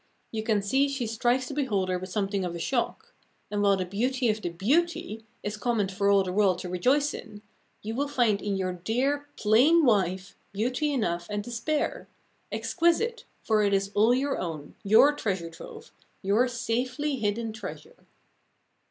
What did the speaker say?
You can see she strikes the beholder with something of a shock; and while the beauty of the beauty is common for all the world to rejoice in, you will find in your dear, plain wife beauty enough and to spare; exquisite for it is all your own, your treasure trove, your safely hidden treasure....